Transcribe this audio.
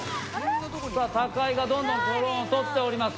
さあ高井がどんどんドローンを取っております。